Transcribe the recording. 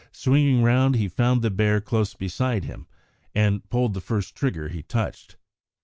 Swinging round, he found the bear close beside him, and he pulled the first trigger he touched.